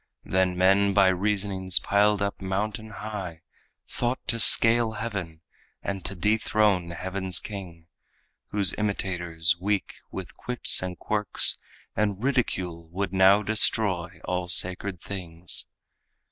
Then men by reasonings piled up mountain high Thought to scale heaven, and to dethrone heaven's king, Whose imitators weak, with quips and quirks And ridicule would now destroy all sacred things.